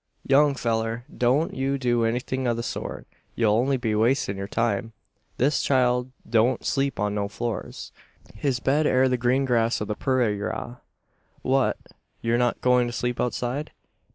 "Young fellur, don't you do anythin' o' the sort; ye'll only be wastin' yur time. This child don't sleep on no floors. His bed air the green grass o' the purayra." "What! you're not going to sleep outside?"